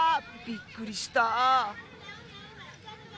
びっくりした。